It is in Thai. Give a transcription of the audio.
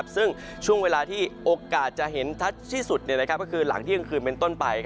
ซึ่งช่วงเวลาที่โอกาสจะเห็นชัดที่สุดก็คือหลังเที่ยงคืนเป็นต้นไป